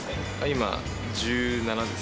今１７です。